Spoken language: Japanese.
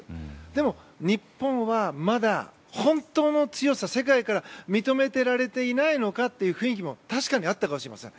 でも、日本はまだ本当の強さ世界から認められていないのかという雰囲気も確かにあったかもしれません。